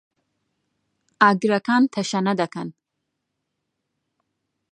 ئاگرەکان تەشەنە دەکەن.